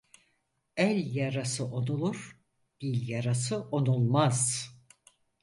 El yarası onulur, dil yarası onulmaz.